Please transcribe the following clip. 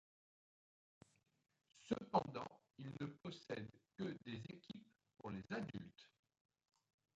Cependant, il ne possède que des équipes pour les adultes.